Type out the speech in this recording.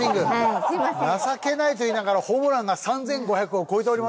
情けないと言いながらホームランが３５００を超えておりますんでもう。